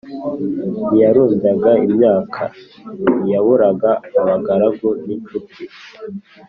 ntiyarumbyaga imyaka, ntiyaburaga abagaragu n’inshuti.